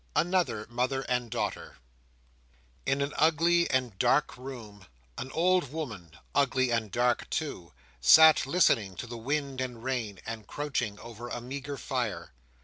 Another Mother and Daughter In an ugly and dark room, an old woman, ugly and dark too, sat listening to the wind and rain, and crouching over a meagre fire.